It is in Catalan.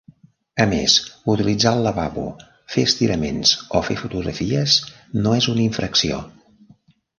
A més, utilitzar el lavabo, fer estiraments o fer fotografies no és una infracció.